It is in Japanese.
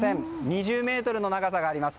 ２０ｍの長さがあります。